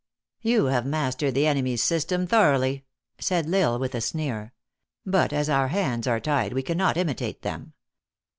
" You have mastered the enemy s system thorough ly," said L Isle, with a sneer. " But as our hands are tied, we cannot imitate them.